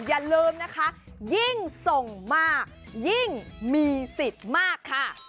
อย่าลืมนะคะยิ่งส่งมากยิ่งมีสิทธิ์มากค่ะ